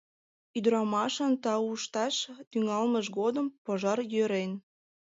Ӱдырамашын таушташ тӱҥалмыж годым пожар йӧрен.